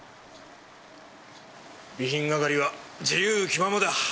備品係は自由気ままだ。